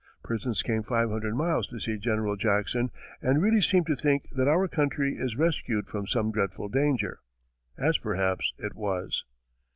Persons came five hundred miles to see General Jackson and really seem to think that our country is rescued from some dreadful danger." As, perhaps, it was.